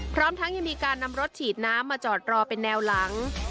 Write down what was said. พร้อมทั้งยังมีการนำรถฉีดน้ำมาจอดรอเป็นแนวหลัง